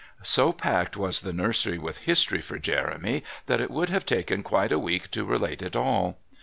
So packed was the nursery with history for Jeremy that it would have taken quite a week to relate it all.